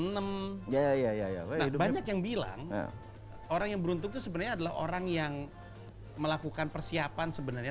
nah banyak yang bilang orang yang beruntung itu sebenarnya adalah orang yang melakukan persiapan sebenarnya